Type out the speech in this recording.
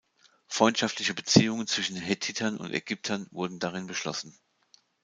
Freundschaftliche Beziehungen zwischen Hethitern und Ägyptern wurden darin beschlossen.